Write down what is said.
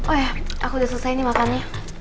oh ya aku udah selesai nih makannya